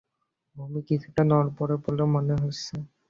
ভূমি কিছুটা নড়বড়ে বলে মনে হচ্ছে।